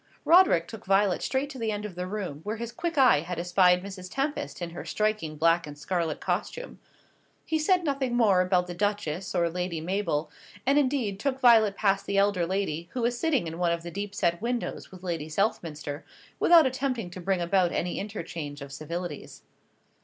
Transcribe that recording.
Roderick took Violet straight to the end of the room, where his quick eye had espied Mrs. Tempest in her striking black and scarlet costume. He said nothing more about the Duchess or Lady Mabel; and, indeed, took Violet past the elder lady, who was sitting in one of the deep set windows with Lady Southminster, without attempting to bring about any interchange of civilities.